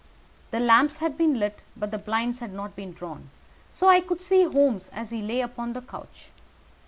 The lamps had been lighted, but the blinds had not been drawn, so that I could see Holmes as he lay upon the couch.